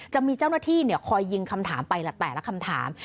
จะมีเจ้าหน้าที่คอยยิงคำถามไปแต่ละคำถาม